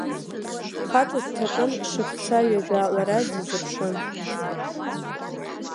Лхаҵа дҭакын шықәса ҩажәа, лара дизыԥшын.